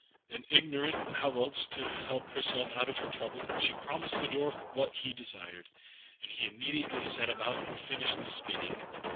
and, ignorant how else to help herself out of her trouble, she promised the Dwarf what he desired; and he immediately set about and finished the spinning.